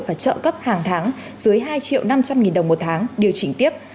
và trợ cấp hàng tháng dưới hai triệu năm trăm linh nghìn đồng một tháng điều chỉnh tiếp